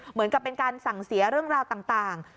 เหมือนกับเป็นการสั่งเสียเรื่องราวต่าง